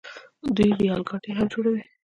دوی ریل ګاډي هم جوړوي.